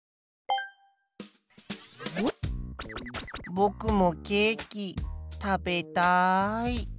ぼくもケーキ食べたい。